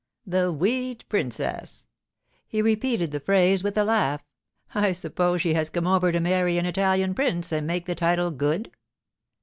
'The Wheat Princess!' He repeated the phrase with a laugh. 'I suppose she has come over to marry an Italian prince and make the title good?